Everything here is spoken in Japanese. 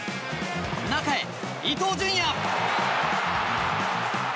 中へ、伊東純也！